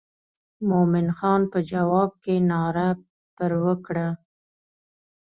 مومن خان په جواب کې ناره پر وکړه.